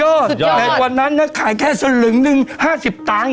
อ่ามีอีกชิ้นที่เสิร์ฟมา